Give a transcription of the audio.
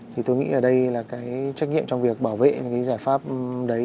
thì tôi nghĩ ở đây là cái trách nhiệm trong việc bảo vệ những cái giải pháp đấy